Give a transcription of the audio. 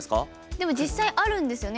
でも実際あるんですよね？